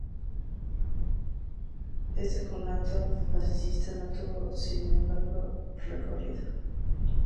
Este conato fascista no tuvo sin embargo recorrido.